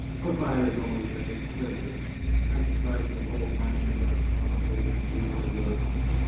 . provided only that it quivers. I've tried to hold my end up properly and do my work.